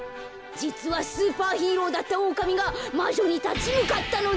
じつはスーパーヒーローだったオオカミがまじょにたちむかったのです。